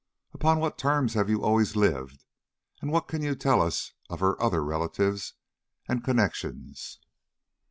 "Upon what terms have you always lived, and what can you tell us of her other relatives and connections?"